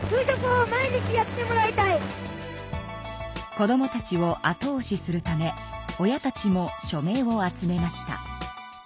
子どもたちを後おしするため親たちも署名を集めました。